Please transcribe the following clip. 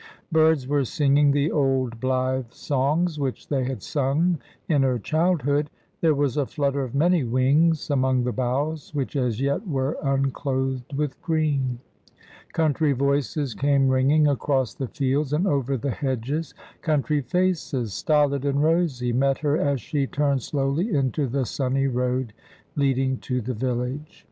Birds were singing the old blithe songs which they had sung in her childhood; there was a flutter of many wings among the boughs, which as yet were unclothed with green. Country voices came ringing across the fields and over the hedges; country faces, stolid and rosy, met her as she turned slowly into the sunny road leading to the village.